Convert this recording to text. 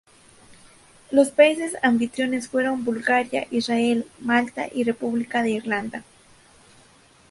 Los países anfitriones fueron Bulgaria, Israel, Malta y República de Irlanda.